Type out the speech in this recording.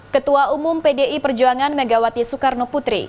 ketua umum pdi perjuangan megawati soekarno putri